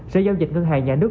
sẽ giao dịch ngân hàng nhà nước